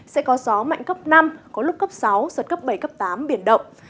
sẽ có gió mạnh cấp năm có lúc cấp sáu giật cấp bảy cấp tám biển động